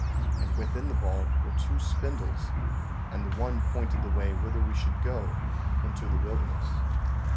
And within the ball were two spindles; and the one pointed the way whither we should go into the wilderness.